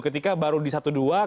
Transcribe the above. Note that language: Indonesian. ketika baru di satu dua